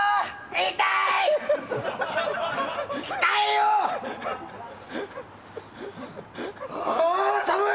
痛い！